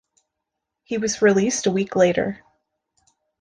He was released a week later.